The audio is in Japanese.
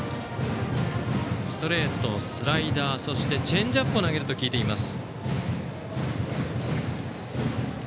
ストレート、スライダーそしてチェンジアップも投げると聞いています。